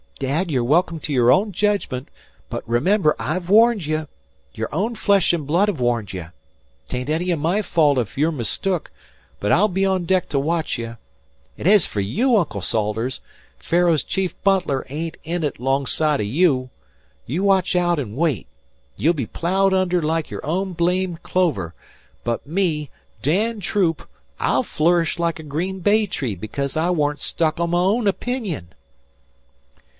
"Dad, you're welcome to your own judgment, but remember I've warned ye. Your own flesh an' blood ha' warned ye! 'Tain't any o' my fault ef you're mistook, but I'll be on deck to watch ye. An' ez fer yeou, Uncle Salters, Pharaoh's chief butler ain't in it 'longside o' you! You watch aout an' wait. You'll be plowed under like your own blamed clover; but me Dan Troop I'll flourish like a green bay tree because I warn't stuck on my own opinion."